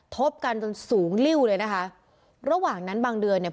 บกันจนสูงลิ้วเลยนะคะระหว่างนั้นบางเดือนเนี่ย